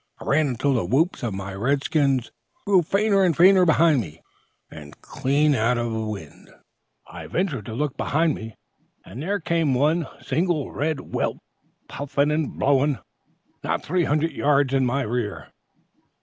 I run until the whoops of my red skins grew fainter and fainter behind me, and, clean out of wind, I ventured to look behind me, and there came one single red whelp, puffing and blowing, not three hundred yards in my rear.